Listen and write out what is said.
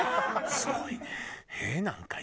すごいね。